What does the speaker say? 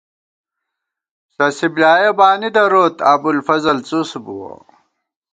سَسی بۡلیایَہ بانی دروت، ابُوالفضل څُس بُوَہ